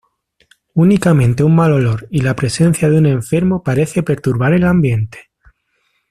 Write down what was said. Únicamente un mal olor y la presencia de un enfermo parece perturbar el ambiente.